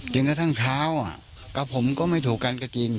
จนกระทั่งเช้ากับผมก็ไม่ถูกกันก็จริง